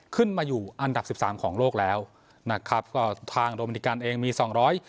ขึ้นมาอยู่อันดับสิบสามของโลกแล้วนะครับก็ทางโดมินิกันเองมีสองร้อย